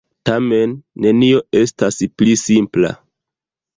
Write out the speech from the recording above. Tamen, nenio estas pli simpla.